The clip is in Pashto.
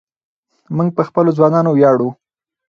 موږ په خپلو ځوانانو ویاړو.